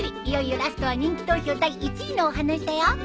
いよいよラストは人気投票第１位のお話だよ。